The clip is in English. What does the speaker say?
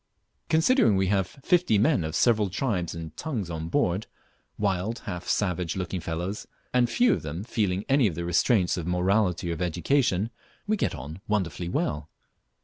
Considering we have fifty men of several tribes and tongues onboard, wild, half savage looking fellows, and few of them feeling any of the restraints of morality or education, we get on wonderfully well.